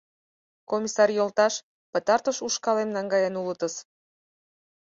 — Комиссар йолташ, пытартыш ушкалем наҥгаен улытыс...